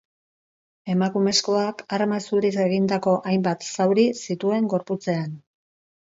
Emakumezkoak arma zuriz egindako hainbat zauri zituen gorputzean.